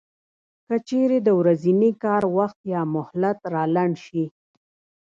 که چېرې د ورځني کار وخت یا مهلت را لنډ شي